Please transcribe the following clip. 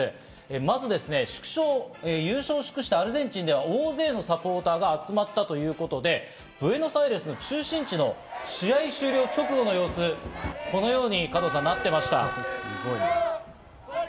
まず優勝を祝してアルゼンチンでは、大勢のサポーターが集まったということでブエノスアイレスの中心地の試合終了直後の様子、このようになっていました。